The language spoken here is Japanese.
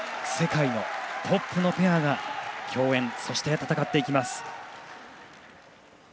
世界のトップのペアが競演そして、戦っていきます。